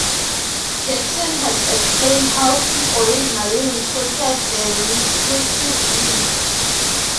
Jackson has explained how he originally recruited the reclusive Lee.